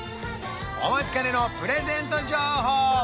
お待ちかねのプレゼント情報